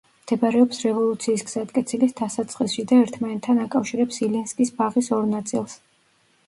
მდებარეობს რევოლუციის გზატკეცილის დასაწყისში და ერთმანეთთან აკავშირებს ილინსკის ბაღის ორ ნაწილს.